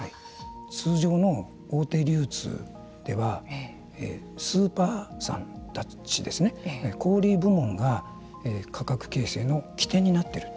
通常の大手流通ではスーパーさんたちですね小売部門が価格形成の起点になっている。